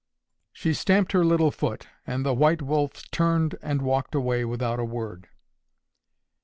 She stamped her little foot, and the "white wolf" turned and walked away without a word.